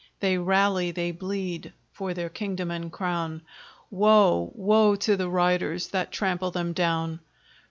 They rally, they bleed, for their kingdom and crown; Woe, woe to the riders that trample them down!